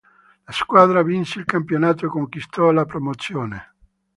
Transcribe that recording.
La squadra vinse il campionato e conquistò la promozione.